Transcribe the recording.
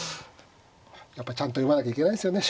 やっぱちゃんと読まなきゃいけないんですよね